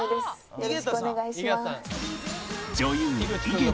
よろしくお願いします。